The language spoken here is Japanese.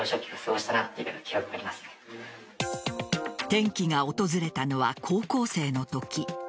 転機が訪れたのは高校生のとき。